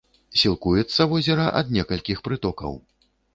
Сілкуецца возера ад некалькіх прытокаў.